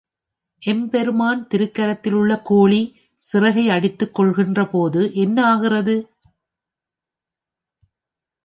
எம்பெருமான் திருக்கரத்திலுள்ள கோழி சிறகை அடித்துக் கொள்கிறபோது என்ன ஆகிறது?